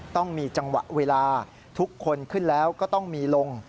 ต้องมีจังหวะเวลาทุกคนขึ้นแล้วก็ต้องมีลง